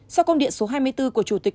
sau công điện số hai mươi bốn của chủ tịch